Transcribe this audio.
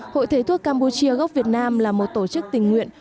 hội thầy thuốc campuchia gốc việt nam là một tổ chức tình nguyện